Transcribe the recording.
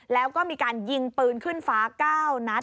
แล้วก็มีการยิงปืนขึ้นฟ้า๙นัด